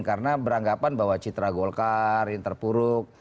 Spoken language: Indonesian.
karena beranggapan bahwa citra golkar interpuruk